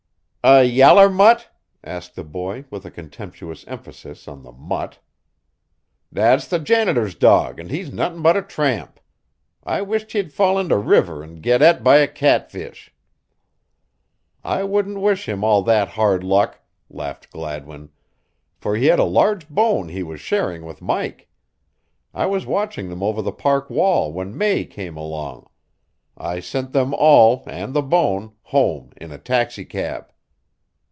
"A yaller mut?" asked the boy, with a contemptuous emphasis on the mut. "Dat's the janitor's dog an' he's nottin' but a tramp. I wisht he'd fall in de river an' get et by a catfish." "I wouldn't wish him all that hard luck," laughed Gladwin, "for he had a large bone he was sharing with Mike. I was watching them over the park wall when May came along. I sent them all, and the bone, home in a taxicab."